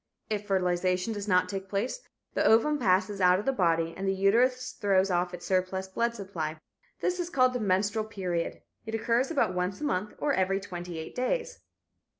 If fertilization does not take place, the ovum passes out of the body and the uterus throws off its surplus blood supply. This is called the menstrual period. It occurs about once a month or every twenty eight days.